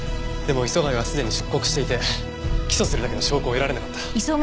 でも磯貝はすでに出国していて起訴するだけの証拠を得られなかった。